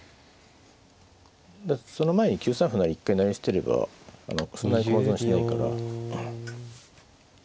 その前に９三歩成一回成り捨てればそんなに駒損はしないから。